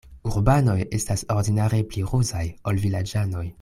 Urbanoj estas ordinare pli ruzaj, ol vilaĝanoj.